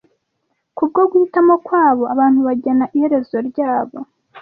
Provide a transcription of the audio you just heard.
Kubwo guhitamo kwabo, abantu bagena iherezo ryabo